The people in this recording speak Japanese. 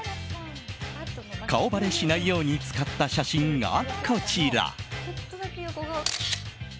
顔ばれしないように使った写真がこちら。